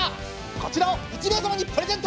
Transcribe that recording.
こちらを１名様にプレゼント！